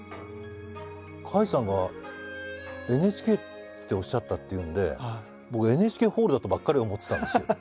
甲斐さんが「ＮＨＫ」っておっしゃったっていうんで僕ＮＨＫホールだとばっかり思ってたんですよ。